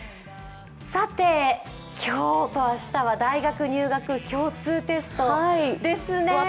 さて、今日と明日は大学入学共通テストですね。